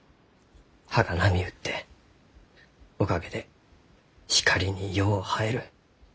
葉が波打っておかげで光によう映える。